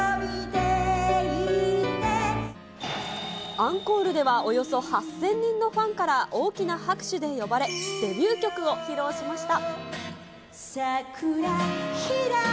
アンコールでは、およそ８０００人のファンから大きな拍手で呼ばれ、デビュー曲を披露しました。